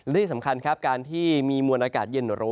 และที่สำคัญครับการที่มีมวลอากาศเย็นหรือ